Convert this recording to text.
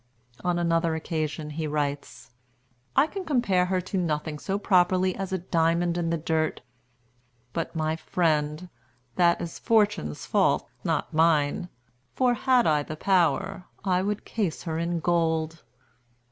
On another occasion he writes: "I can compare her to nothing so properly as a diamond in the dirt. But, my friend, that is Fortune's fault, not mine; for had I the power, I would case her in gold."